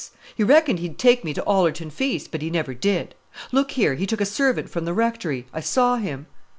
_ He reckoned he'd take me to Ollerton Feast, but he never did. Look here, he took a servant from the rectory; I saw him."